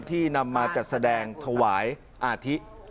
นำมาจัดแสดงถวายอาทิ